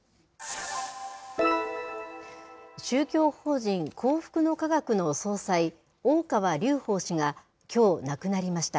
宗教法人幸福の科学の総裁、大川隆法氏が、きょう、亡くなりました。